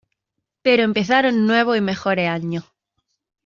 Pero empezaron nuevos y mejores años.